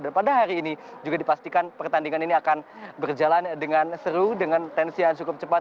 dan pada hari ini juga dipastikan pertandingan ini akan berjalan dengan seru dengan tensi yang cukup cepat